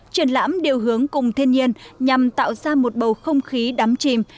triển lãm điều hướng cùng thiên nhiên nhằm tạo ra một bầu không khí đắm chìm